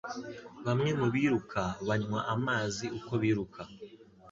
Bamwe mu biruka banywa amazi uko biruka